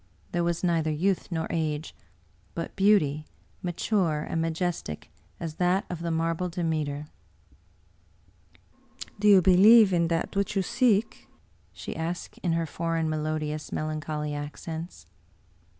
There was neither youth nor age, but beauty, mature and majestic as that of a marble Demeter. " Do you believe in that which you seek? " she asked in her foreign, melodious, melancholy accents.